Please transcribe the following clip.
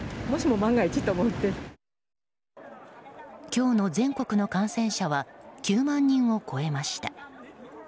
今日の全国の感染者は９万人を超えました。